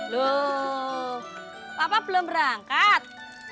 loh papa belum berangkat